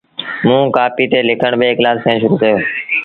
موݩ ڪآپيٚ تي لکڻ ٻي ڪلآس کآݩ شرو ڪيو هُݩدو۔